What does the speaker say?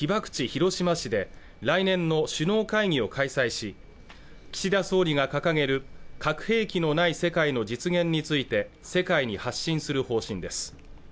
広島市で来年の首脳会議を開催し岸田総理が掲げる核兵器のない世界の実現について世界に発信する方針です